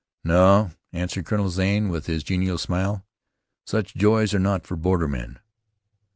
"No," answered Colonel Zane, with his genial smile. "Such joys are not for bordermen."